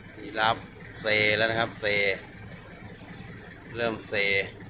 หยิบรับเสละนะครับเสลเริ่มเซ